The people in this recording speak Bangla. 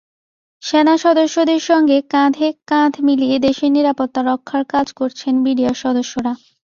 সেনাসদস্যদের সঙ্গে কাঁধে কাঁধ মিলিয়ে দেশের নিরাপত্তা রক্ষার কাজ করছেন বিডিআর সদস্যরা।